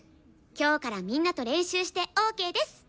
今日からみんなと練習してＯＫです！